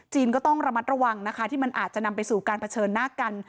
ก็ต้องระมัดระวังนะคะที่มันอาจจะนำไปสู่การเผชิญหน้ากัน